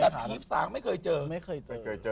พี่สามไม่เคยเจอ